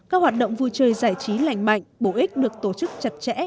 các hoạt động vui chơi giải trí lành mạnh bổ ích được tổ chức chặt chẽ